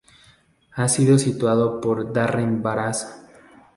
Ha sido tatuado por Darren Brass.